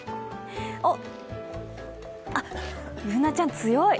おっあっ、Ｂｏｏｎａちゃん強い。